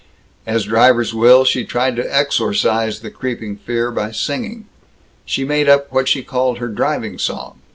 As drivers will, she tried to exorcise the creeping fear by singing. She made up what she called her driving song.